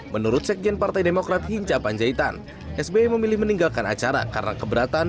menurut sekjen partai demokrat hinca panjaitan sby memilih meninggalkan acara karena keberatan